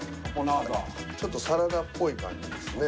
ちょっとサラダっぽい感じですね。